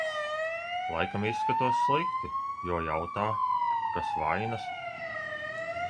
Laikam izskatos slikti, jo jautā, kas vainas.